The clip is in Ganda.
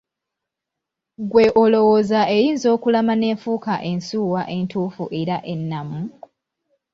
Ggwe olowooza eyiinza okulama n’efuuka ensuuwa entuufu era ennamu?